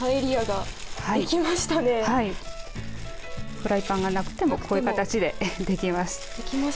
フライパンがなくてもこういう形でできます。